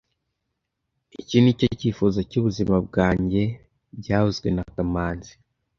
Iki nicyo cyifuzo cyubuzima bwanjye byavuzwe na kamanzi